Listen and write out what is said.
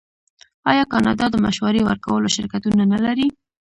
آیا کاناډا د مشورې ورکولو شرکتونه نلري؟